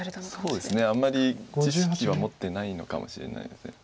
そうですねあんまり知識は持ってないのかもしれないです。